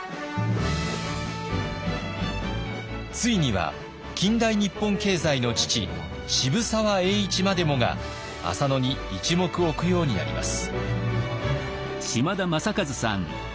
ついには近代日本経済の父渋沢栄一までもが浅野に一目置くようになります。